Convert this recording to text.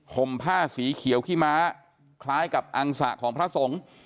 ห่มผ้าสีเขียวขี้ม้าคล้ายกับอังสะของพระสงฆ์